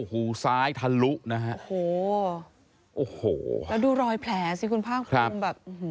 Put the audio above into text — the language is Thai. พ่อทำบ่อยไหมครับ